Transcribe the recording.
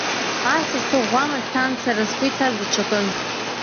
Ас сыӷәӷәамызт, сан, сара, сгәы иҭаз даҽакын.